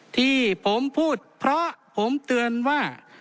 ที่ผมพูดเพราะผมเตือนว่า